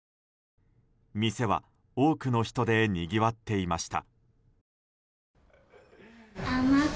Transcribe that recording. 店は多くの人でにぎわっていました。